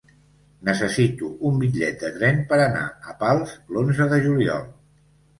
Necessito un bitllet de tren per anar a Pals l'onze de juliol.